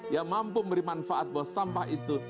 yang mampu memberi manfaat bahwa sampah itu